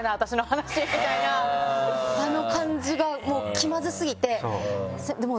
あの感じがもう気まずすぎてずっとだから